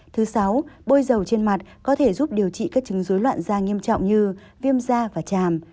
thứ sáu bôi dầu trên mặt có thể giúp điều trị các chứng dối loạn da nghiêm trọng như viêm da và chàm